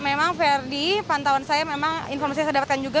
memang verdi pantauan saya memang informasi yang saya dapatkan juga